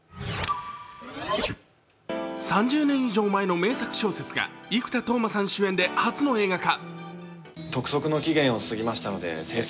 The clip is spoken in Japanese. ３０年以上前の名作小説が生田斗真さん主演で初の映画化。